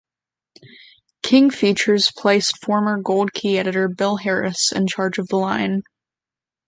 King Features placed former Gold Key editor Bill Harris in charge of the line.